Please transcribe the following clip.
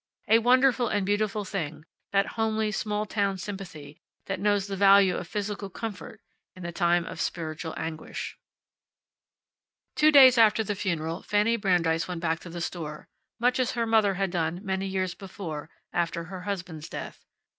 A wonderful and beautiful thing, that homely small town sympathy that knows the value of physical comfort in time of spiritual anguish. Two days after the funeral Fanny Brandeis went back to the store, much as her mother had done many years before, after her husband's death.